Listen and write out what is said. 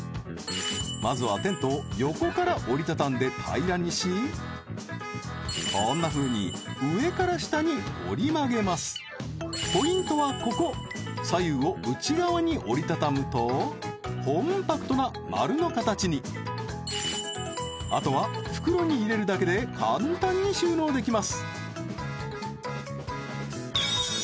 まずはテントを横から折り畳んで平らにしこんなふうにポイントはここ左右を内側に折り畳むとコンパクトな丸の形にあとは袋に入れるだけで簡単に収納できます